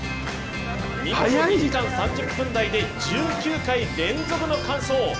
見事２時間３０分台で１９回連続の完走。